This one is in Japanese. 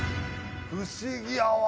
不思議やわ！